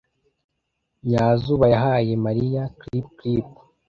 Nyazuba yahaye Mariya clip clip.